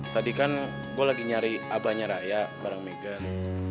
tadi kan gua lagi nyari abahnya raya bareng megan